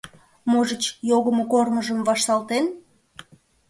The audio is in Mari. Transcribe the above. Можыч, йогымо корныжым вашталтен?